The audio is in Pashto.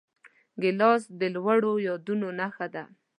ګیلاس د لوړو یادونو نښه ده.